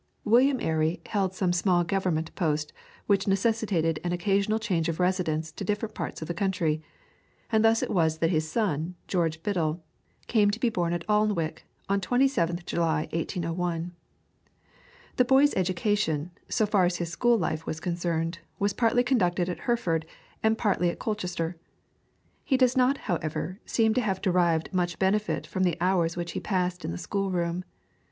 William Airy held some small government post which necessitated an occasional change of residence to different parts of the country, and thus it was that his son, George Biddell, came to be born at Alnwick, on 27th July, 1801. The boy's education, so far as his school life was concerned was partly conducted at Hereford and partly at Colchester. He does not, however, seem to have derived much benefit from the hours which he passed in the schoolroom.